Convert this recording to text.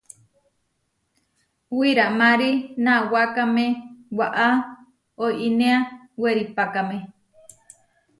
Wiramári nawákame waʼá oinéa weripákame.